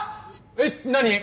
えっ何？